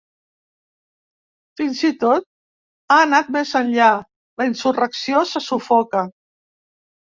Fins i tot, ha anat més enllà: La insurrecció se sufoca.